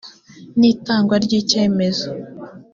n itangwa ry icyemezo